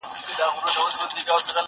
چي نوبت د عزت راغی په ژړا سو.!